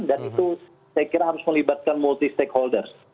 dan itu saya kira harus melibatkan multi stakeholders